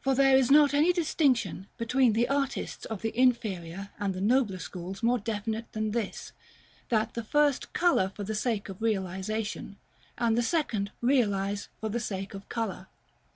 For there is not any distinction between the artists of the inferior and the nobler schools more definite than this; that the first color for the sake of realization, and the second realize for the sake of color.